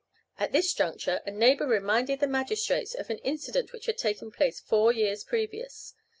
At this juncture a neighbor reminded the magistrates of an incident which had taken place four years previous.